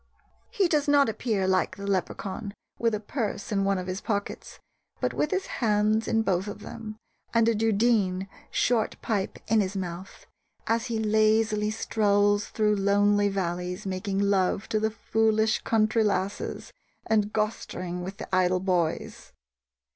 He does not appear, like the Leprechaun, with a purse in one of his pockets, but with his hands in both of them, and a dudeen (short pipe) in his mouth, as he lazily strolls through lonely valleys making love to the foolish country lasses and "gostering" with the idle "boys."